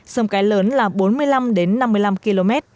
sông cái lớn là bốn mươi năm km